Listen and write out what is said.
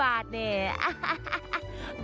สวัสดีครับ